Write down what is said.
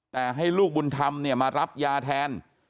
แต่ให้ลูกบุญธรรมเนี่ยมารับยาแทน